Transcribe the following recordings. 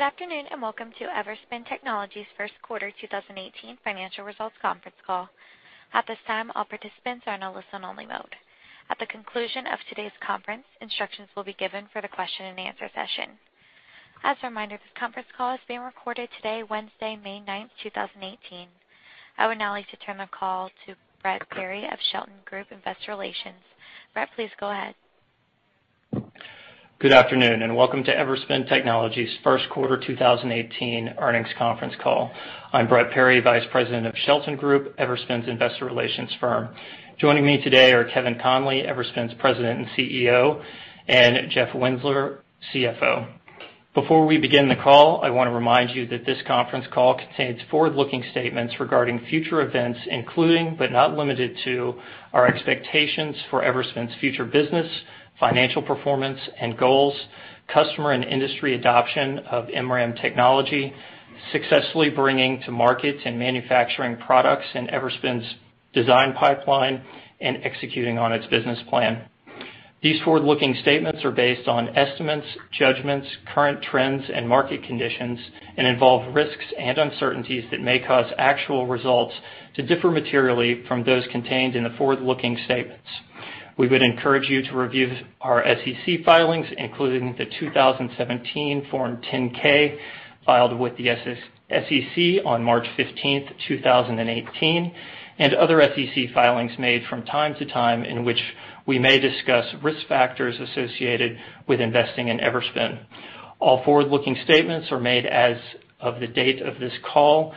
Good afternoon, and welcome to Everspin Technologies' first quarter 2018 financial results conference call. At this time, all participants are in a listen-only mode. At the conclusion of today's conference, instructions will be given for the question and answer session. As a reminder, this conference call is being recorded today, Wednesday, May 9, 2018. I would now like to turn the call to Brett Perry of Shelton Group Investor Relations. Brett, please go ahead. Good afternoon, and welcome to Everspin Technologies' first quarter 2018 earnings conference call. I'm Brett Perry, vice president of Shelton Group, Everspin's investor relations firm. Joining me today are Kevin Conley, Everspin's President and CEO, and Jeff Winzeler, CFO. Before we begin the call, I want to remind you that this conference call contains forward-looking statements regarding future events, including, but not limited to, our expectations for Everspin's future business, financial performance and goals, customer and industry adoption of MRAM technology, successfully bringing to market and manufacturing products in Everspin's design pipeline, and executing on its business plan. These forward-looking statements are based on estimates, judgments, current trends, and market conditions, and involve risks and uncertainties that may cause actual results to differ materially from those contained in the forward-looking statements. We would encourage you to review our SEC filings, including the 2017 Form 10-K filed with the SEC on March 15, 2018, and other SEC filings made from time to time in which we may discuss risk factors associated with investing in Everspin. All forward-looking statements are made as of the date of this call.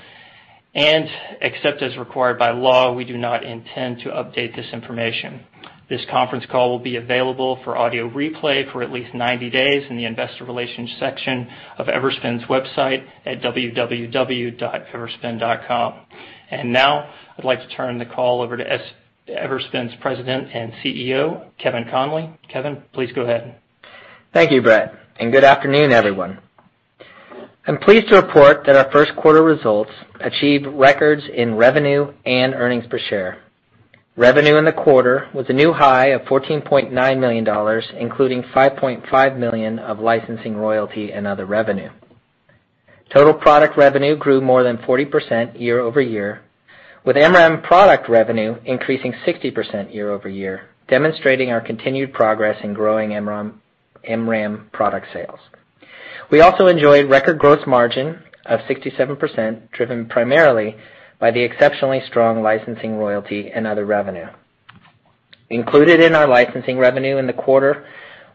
Except as required by law, we do not intend to update this information. This conference call will be available for audio replay for at least 90 days in the investor relations section of Everspin's website at www.everspin.com. Now, I'd like to turn the call over to Everspin's President and CEO, Kevin Conley. Kevin, please go ahead. Thank you, Brett, and good afternoon, everyone. I'm pleased to report that our first quarter results achieved records in revenue and earnings per share. Revenue in the quarter was a new high of $14.9 million, including $5.5 million of licensing royalty and other revenue. Total product revenue grew more than 40% year-over-year, with MRAM product revenue increasing 60% year-over-year, demonstrating our continued progress in growing MRAM product sales. We also enjoyed record gross margin of 67%, driven primarily by the exceptionally strong licensing royalty and other revenue. Included in our licensing revenue in the quarter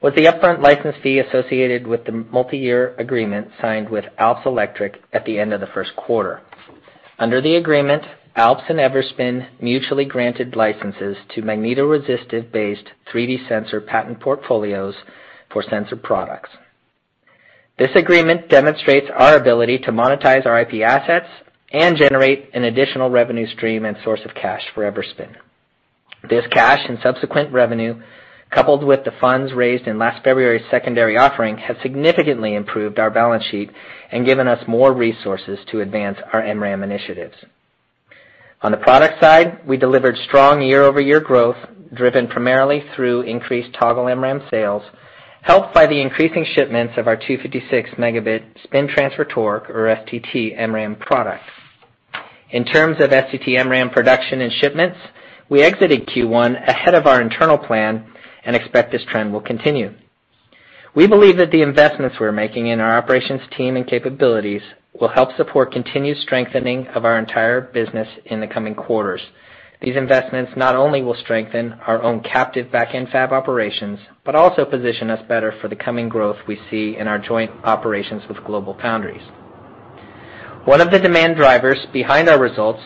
was the upfront license fee associated with the multi-year agreement signed with Alps Electric at the end of the first quarter. Under the agreement, Alps and Everspin mutually granted licenses to magnetoresistive-based 3D sensor patent portfolios for sensor products. This agreement demonstrates our ability to monetize our IP assets and generate an additional revenue stream and source of cash for Everspin. This cash and subsequent revenue, coupled with the funds raised in last February's secondary offering, has significantly improved our balance sheet and given us more resources to advance our MRAM initiatives. On the product side, we delivered strong year-over-year growth, driven primarily through increased Toggle MRAM sales, helped by the increasing shipments of our 256-megabit Spin-Transfer Torque, or STT, MRAM products. In terms of STT MRAM production and shipments, we exited Q1 ahead of our internal plan and expect this trend will continue. We believe that the investments we're making in our operations team and capabilities will help support continued strengthening of our entire business in the coming quarters. These investments not only will strengthen our own captive backend fab operations, but also position us better for the coming growth we see in our joint operations with GlobalFoundries. One of the demand drivers behind our results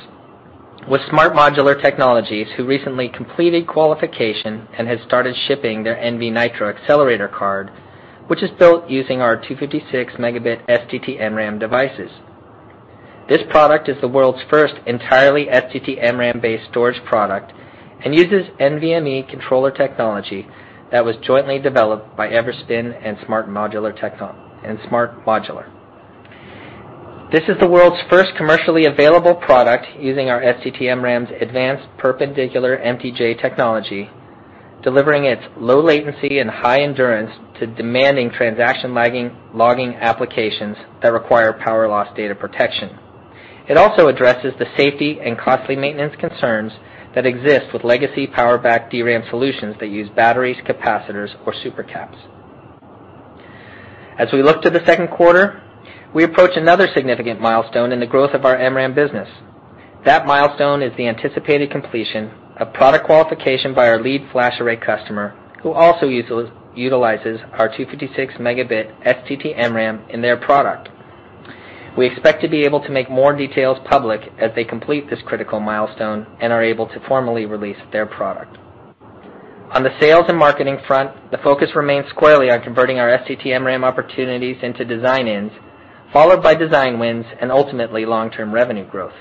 was SMART Modular Technologies, who recently completed qualification and has started shipping their nvNITRO Accelerator card, which is built using our 256-megabit STT MRAM devices. This product is the world's first entirely STT MRAM-based storage product and uses NVMe controller technology that was jointly developed by Everspin and SMART Modular. This is the world's first commercially available product using our STT MRAM's advanced perpendicular MTJ technology, delivering its low latency and high endurance to demanding transaction logging applications that require power loss data protection. It also addresses the safety and costly maintenance concerns that exist with legacy power back DRAM solutions that use batteries, capacitors, or supercaps. As we look to the second quarter, we approach another significant milestone in the growth of our MRAM business. That milestone is the anticipated completion of product qualification by our lead flash array customer, who also utilizes our 256-megabit STT MRAM in their product. We expect to be able to make more details public as they complete this critical milestone and are able to formally release their product. On the sales and marketing front, the focus remains squarely on converting our STT MRAM opportunities into design-ins, followed by design wins and ultimately long-term revenue growth.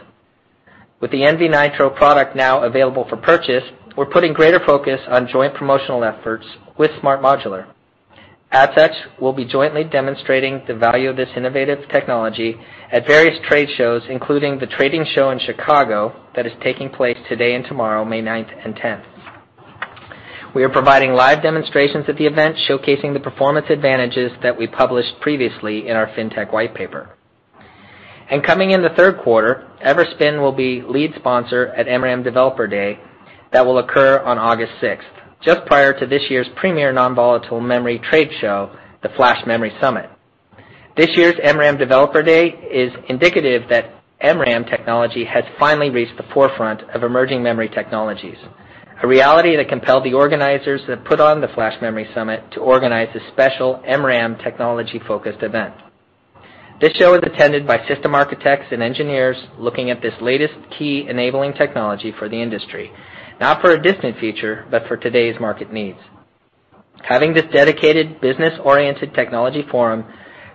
With the nvNITRO product now available for purchase, we're putting greater focus on joint promotional efforts with SMART Modular. At such, we'll be jointly demonstrating the value of this innovative technology at various trade shows, including The Trading Show in Chicago that is taking place today and tomorrow, May 9th and 10th. We are providing live demonstrations at the event showcasing the performance advantages that we published previously in our FinTech white paper. Coming in the third quarter, Everspin will be lead sponsor at MRAM Developer Day that will occur on August 6th, just prior to this year's premier non-volatile memory trade show, the Flash Memory Summit. This year's MRAM Developer Day is indicative that MRAM technology has finally reached the forefront of emerging memory technologies, a reality that compelled the organizers that put on the Flash Memory Summit to organize a special MRAM technology-focused event. This show is attended by system architects and engineers looking at this latest key enabling technology for the industry, not for a distant future, but for today's market needs. Having this dedicated business-oriented technology forum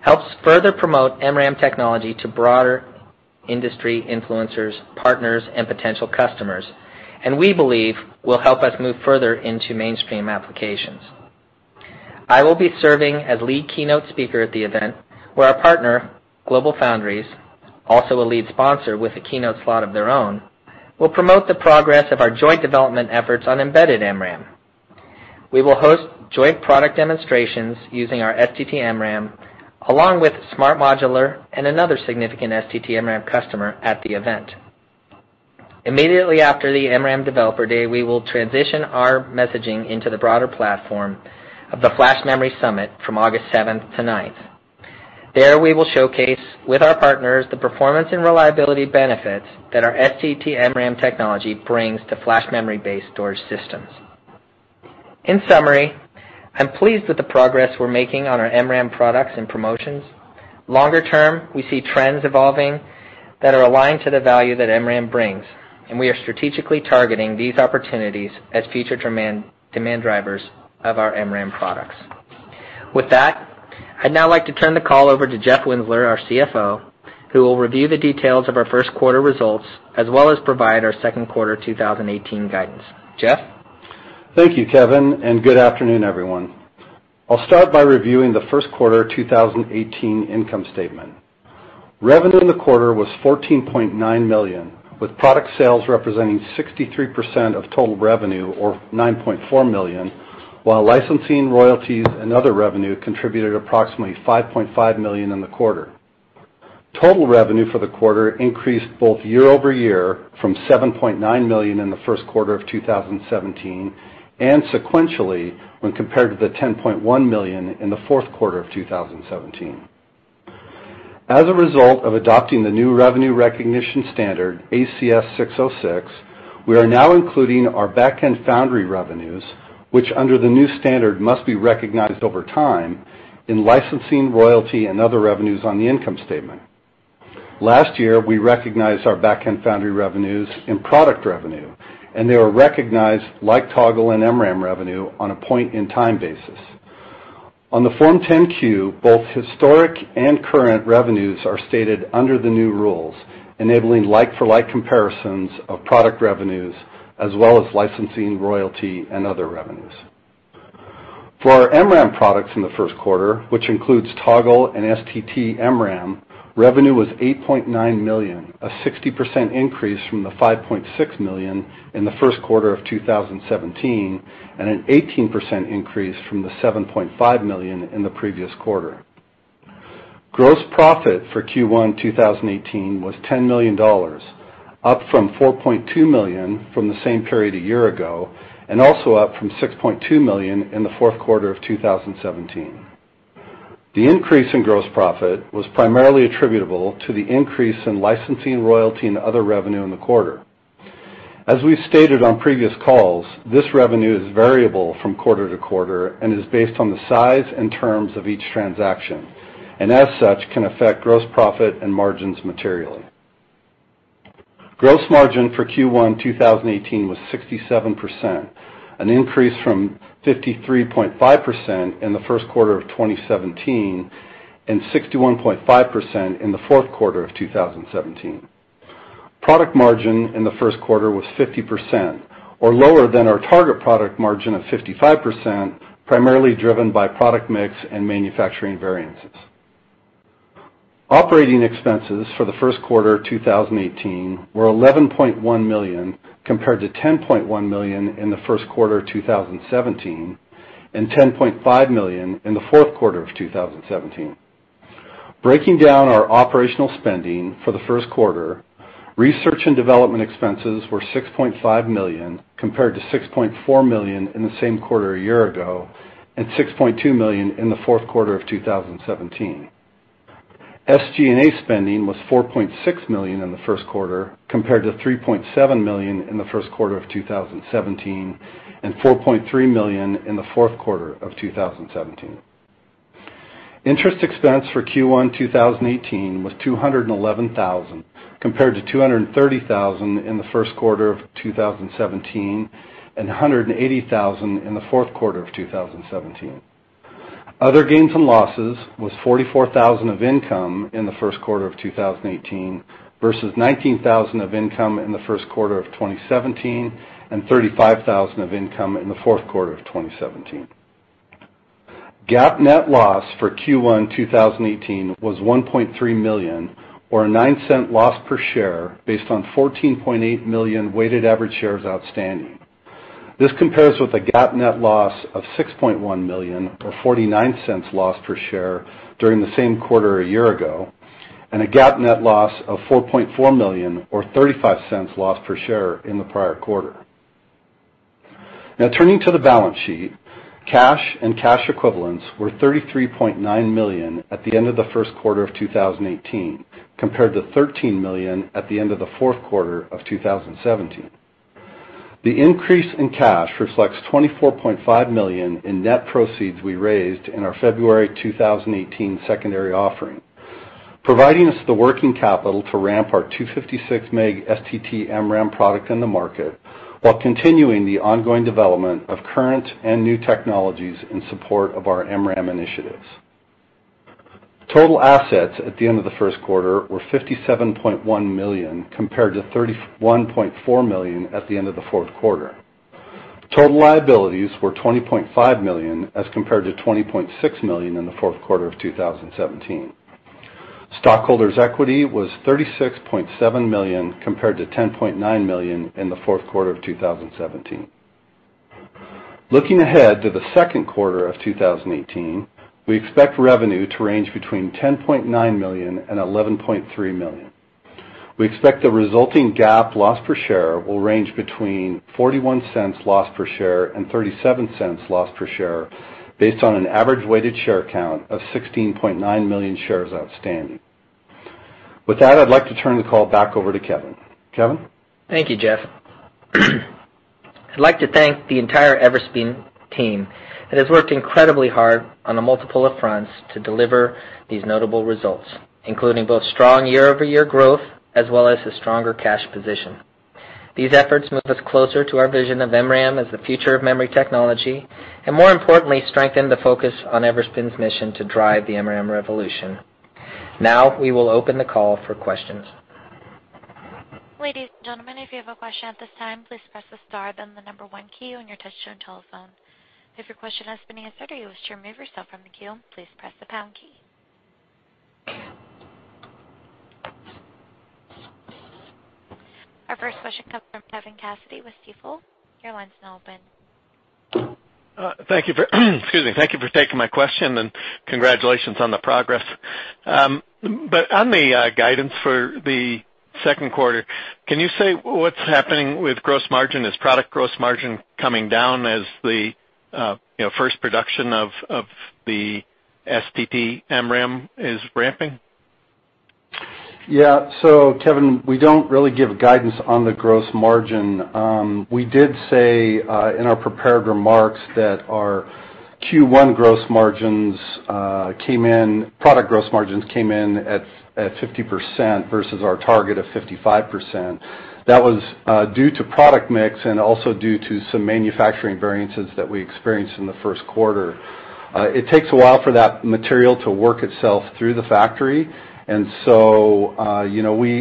helps further promote MRAM technology to broader industry influencers, partners, and potential customers, and we believe will help us move further into mainstream applications. I will be serving as lead keynote speaker at the event, where our partner, GlobalFoundries, also a lead sponsor with a keynote slot of their own, will promote the progress of our joint development efforts on embedded MRAM. We will host joint product demonstrations using our STT-MRAM, along with SMART Modular and another significant STT-MRAM customer at the event. Immediately after the MRAM Developer Day, we will transition our messaging into the broader platform of the Flash Memory Summit from August 7th to 9th. There, we will showcase with our partners the performance and reliability benefits that our STT-MRAM technology brings to flash memory-based storage systems. In summary, I'm pleased with the progress we're making on our MRAM products and promotions. Longer term, we see trends evolving that are aligned to the value that MRAM brings, and we are strategically targeting these opportunities as future demand drivers of our MRAM products. With that, I'd now like to turn the call over to Jeff Winzeler, our CFO, who will review the details of our first quarter results, as well as provide our second quarter 2018 guidance. Jeff? Thank you, Kevin Conley, and good afternoon, everyone. I'll start by reviewing the first quarter 2018 income statement. Revenue in the quarter was $14.9 million, with product sales representing 63% of total revenue or $9.4 million, while licensing, royalties, and other revenue contributed approximately $5.5 million in the quarter. Total revenue for the quarter increased both year-over-year from $7.9 million in the first quarter of 2017, and sequentially when compared to the $10.1 million in the fourth quarter of 2017. As a result of adopting the new revenue recognition standard, ASC 606, we are now including our backend foundry revenues, which under the new standard must be recognized over time in licensing, royalty, and other revenues on the income statement. Last year, we recognized our backend foundry revenues in product revenue, and they were recognized like Toggle and MRAM revenue on a point-in-time basis. On the Form 10-Q, both historic and current revenues are stated under the new rules, enabling like-for-like comparisons of product revenues, as well as licensing, royalty, and other revenues. For our MRAM products in the first quarter, which includes Toggle and STT-MRAM, revenue was $8.9 million, a 60% increase from the $5.6 million in the first quarter of 2017, and an 18% increase from the $7.5 million in the previous quarter. Gross profit for Q1 2018 was $10 million, up from $4.2 million from the same period a year ago, and also up from $6.2 million in the fourth quarter of 2017. The increase in gross profit was primarily attributable to the increase in licensing, royalty, and other revenue in the quarter. As we've stated on previous calls, this revenue is variable from quarter to quarter and is based on the size and terms of each transaction, as such, can affect gross profit and margins materially. Gross margin for Q1 2018 was 67%, an increase from 53.5% in the first quarter of 2017, and 61.5% in the fourth quarter of 2017. Product margin in the first quarter was 50%, or lower than our target product margin of 55%, primarily driven by product mix and manufacturing variances. Operating expenses for the first quarter 2018 were $11.1 million, compared to $10.1 million in the first quarter of 2017, and $10.5 million in the fourth quarter of 2017. Breaking down our operational spending for the first quarter, research and development expenses were $6.5 million, compared to $6.4 million in the same quarter a year ago, and $6.2 million in the fourth quarter of 2017. SG&A spending was $4.6 million in the first quarter, compared to $3.7 million in the first quarter of 2017, and $4.3 million in the fourth quarter of 2017. Interest expense for Q1 2018 was $211,000, compared to $230,000 in the first quarter of 2017, and $180,000 in the fourth quarter of 2017. Other gains and losses was $44,000 of income in the first quarter of 2018 versus $19,000 of income in the first quarter of 2017, and $35,000 of income in the fourth quarter of 2017. GAAP net loss for Q1 2018 was $1.3 million, or a $0.09 loss per share, based on 14.8 million weighted average shares outstanding. This compares with a GAAP net loss of $6.1 million, or $0.49 loss per share, during the same quarter a year ago, and a GAAP net loss of $4.4 million, or $0.35 loss per share, in the prior quarter. Turning to the balance sheet, cash and cash equivalents were $33.9 million at the end of the first quarter of 2018, compared to $13 million at the end of the fourth quarter of 2017. The increase in cash reflects $24.5 million in net proceeds we raised in our February 2018 secondary offering, providing us the working capital to ramp our 256Mb STT-MRAM product in the market, while continuing the ongoing development of current and new technologies in support of our MRAM initiatives. Total assets at the end of the first quarter were $57.1 million, compared to $31.4 million at the end of the fourth quarter. Total liabilities were $20.5 million, as compared to $20.6 million in the fourth quarter of 2017. Stockholders' equity was $36.7 million, compared to $10.9 million in the fourth quarter of 2017. Looking ahead to the second quarter of 2018, we expect revenue to range between $10.9 million and $11.3 million. We expect the resulting GAAP loss per share will range between $0.41 loss per share and $0.37 loss per share, based on an average weighted share count of 16.9 million shares outstanding. With that, I'd like to turn the call back over to Kevin. Kevin? Thank you, Jeff. I'd like to thank the entire Everspin team that has worked incredibly hard on a multiple of fronts to deliver these notable results, including both strong year-over-year growth as well as a stronger cash position. These efforts move us closer to our vision of MRAM as the future of memory technology, and more importantly, strengthen the focus on Everspin's mission to drive the MRAM revolution. We will open the call for questions. Ladies and gentlemen, if you have a question at this time, please press the star, then the number 1 key on your touch-tone telephone. If your question has been answered or you wish to remove yourself from the queue, please press the pound key. Our first question comes from Kevin Cassidy with Stifel. Your line is now open. Thank you for taking my question, congratulations on the progress. On the guidance for the second quarter, can you say what's happening with gross margin? Is product gross margin coming down as the first production of the STT-MRAM is ramping? Kevin, we don't really give guidance on the gross margin. We did say, in our prepared remarks, that our Q1 product gross margins came in at 50% versus our target of 55%. That was due to product mix and also due to some manufacturing variances that we experienced in the first quarter. It takes a while for that material to work itself through the factory. We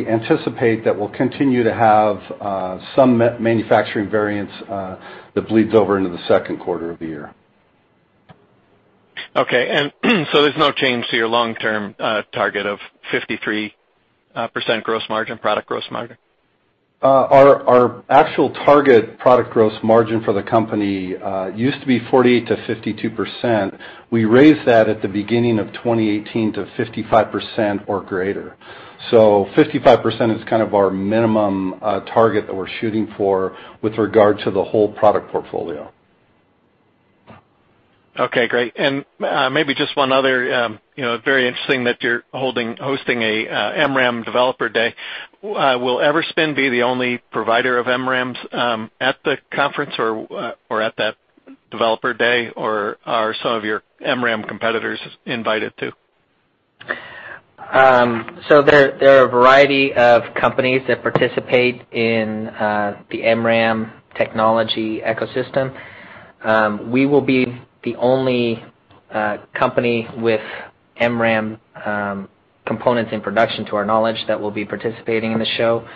anticipate that we'll continue to have some manufacturing variance that bleeds over into the second quarter of the year. Okay. Is there no change to your long-term target of 53% gross margin, product gross margin? Our actual target product gross margin for the company used to be 48%-52%. We raised that at the beginning of 2018 to 55% or greater. 55% is kind of our minimum target that we're shooting for with regard to the whole product portfolio. Okay, great. Maybe just one other. Very interesting that you're hosting a MRAM Developer Day. Will Everspin be the only provider of MRAMs at the conference or at that Developer Day, or are some of your MRAM competitors invited too? There are a variety of companies that participate in the MRAM technology ecosystem. We will be the only company with MRAM components in production, to our knowledge, that will be participating in the show.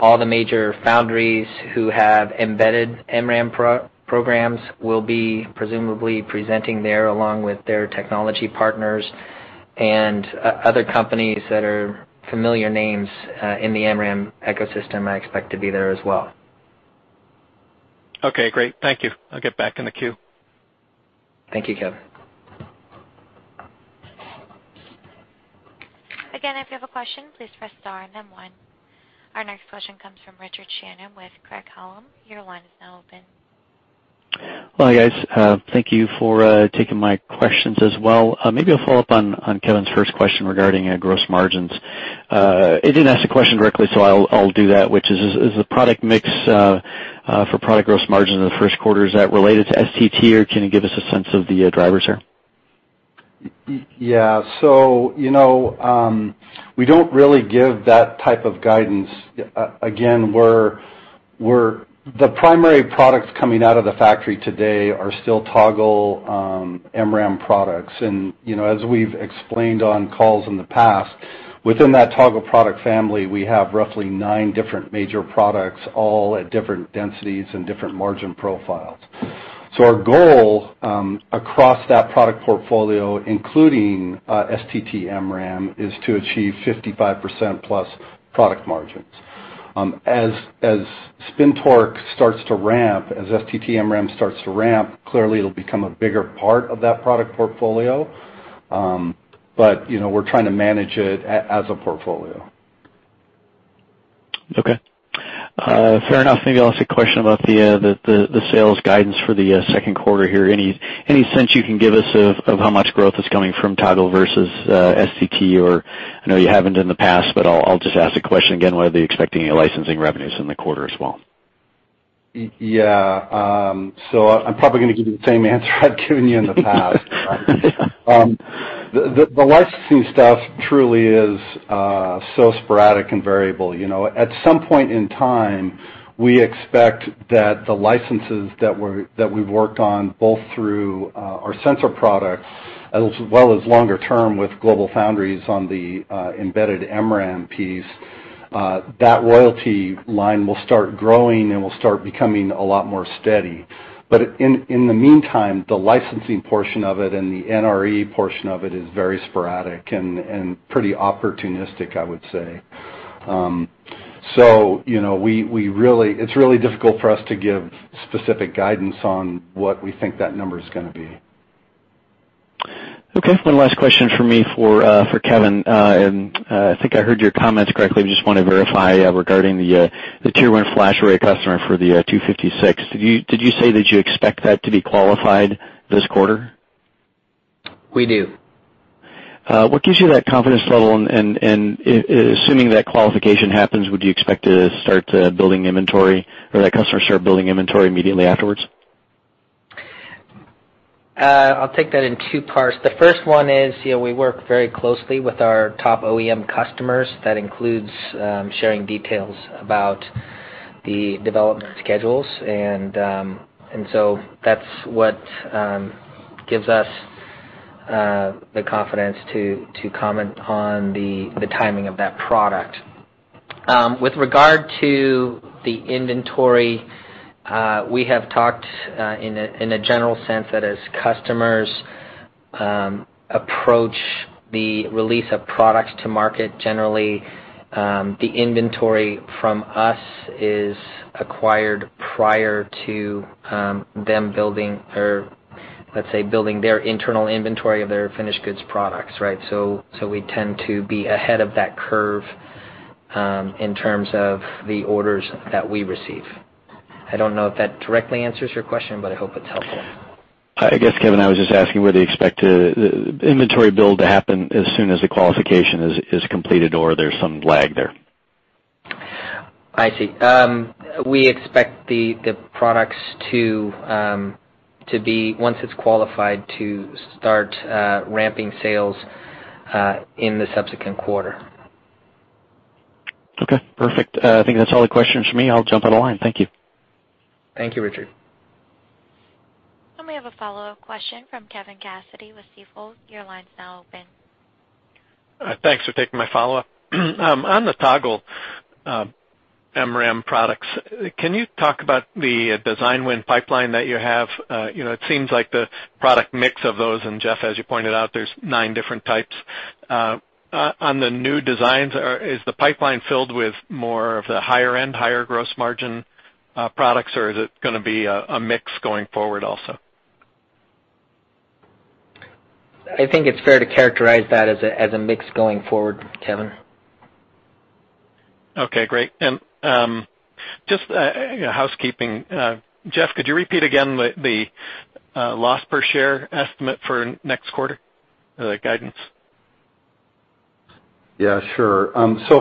All the major foundries who have embedded MRAM programs will be presumably presenting there, along with their technology partners, and other companies that are familiar names in the MRAM ecosystem I expect to be there as well. Okay, great. Thank you. I'll get back in the queue. Thank you, Kevin. If you have a question, please press star and then one. Our next question comes from Richard Shannon with Craig-Hallum. Your line is now open. Well, guys, thank you for taking my questions as well. Maybe I'll follow up on Kevin's first question regarding gross margins. He didn't ask the question directly, so I'll do that, which is the product mix for product gross margin in the first quarter, is that related to STT, or can you give us a sense of the drivers there? Yeah. We don't really give that type of guidance. Again, the primary products coming out of the factory today are still Toggle MRAM products. Within that Toggle product family, we have roughly nine different major products, all at different densities and different margin profiles. Our goal across that product portfolio, including STT-MRAM, is to achieve 55%-plus product margins. As Spin-Torque starts to ramp, as STT-MRAM starts to ramp, clearly it'll become a bigger part of that product portfolio. We're trying to manage it as a portfolio. Okay. Fair enough. Maybe I'll ask a question about the sales guidance for the second quarter here. Any sense you can give us of how much growth is coming from Toggle versus STT or, I know you haven't in the past, but I'll just ask the question again, whether you're expecting any licensing revenues in the quarter as well? Yeah. I'm probably going to give you the same answer I've given you in the past. The licensing stuff truly is so sporadic and variable. At some point in time, we expect that the licenses that we've worked on, both through our sensor products as well as longer term with GlobalFoundries on the embedded MRAM piece, that royalty line will start growing and will start becoming a lot more steady. In the meantime, the licensing portion of it and the NRE portion of it is very sporadic and pretty opportunistic, I would say. It's really difficult for us to give specific guidance on what we think that number's going to be. Okay, one last question from me for Kevin. I think I heard your comments correctly, but just want to verify regarding the tier 1 flash array customer for the 256. Did you say that you expect that to be qualified this quarter? We do. What gives you that confidence level? Assuming that qualification happens, would you expect to start building inventory, or that customer start building inventory immediately afterwards? I'll take that in two parts. The first one is, we work very closely with our top OEM customers. That includes sharing details about the development schedules, that's what gives us the confidence to comment on the timing of that product. With regard to the inventory, we have talked in a general sense that as customers approach the release of products to market, generally, the inventory from us is acquired prior to them building their internal inventory of their finished goods products, right? We tend to be ahead of that curve in terms of the orders that we receive. I don't know if that directly answers your question, but I hope it's helpful. I guess, Kevin, I was just asking whether you expect the inventory build to happen as soon as the qualification is completed, or there's some lag there. I see. We expect the products to be, once it's qualified, to start ramping sales in the subsequent quarter. Okay, perfect. I think that's all the questions from me. I'll jump on the line. Thank you. Thank you, Richard. We have a follow-up question from Kevin Cassidy with Stifel. Your line's now open. Thanks for taking my follow-up. On the Toggle MRAM products, can you talk about the design win pipeline that you have? It seems like the product mix of those, and Jeff, as you pointed out, there's 9 different types. On the new designs, is the pipeline filled with more of the higher-end, higher gross margin products, or is it going to be a mix going forward also? I think it's fair to characterize that as a mix going forward, Kevin. Okay, great. Just housekeeping, Jeff, could you repeat again the loss per share estimate for next quarter, the guidance? Yeah, sure.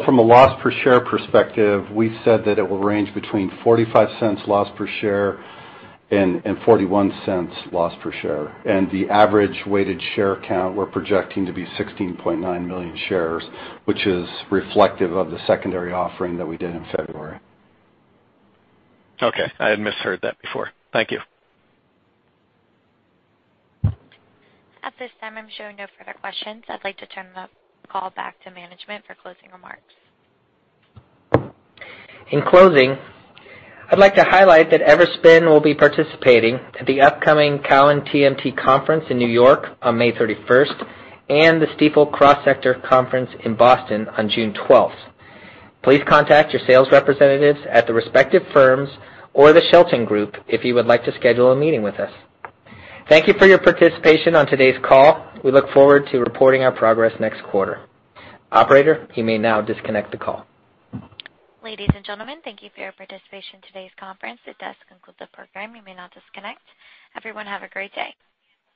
From a loss per share perspective, we said that it will range between $0.45 loss per share and $0.41 loss per share. The average weighted share count we're projecting to be 16.9 million shares, which is reflective of the secondary offering that we did in February. Okay. I had misheard that before. Thank you. At this time, I'm showing no further questions. I'd like to turn the call back to management for closing remarks. In closing, I'd like to highlight that Everspin will be participating at the upcoming Cowen TMT Conference in New York on May 31st and the Stifel Cross Sector Conference in Boston on June 12th. Please contact your sales representatives at the respective firms or the Shelton Group if you would like to schedule a meeting with us. Thank you for your participation on today's call. We look forward to reporting our progress next quarter. Operator, you may now disconnect the call. Ladies and gentlemen, thank you for your participation in today's conference. This does conclude the program. You may now disconnect. Everyone have a great day.